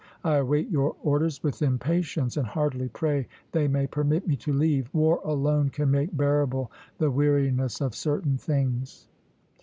I await your orders with impatience, and heartily pray they may permit me to leave. War alone can make bearable the weariness of certain things."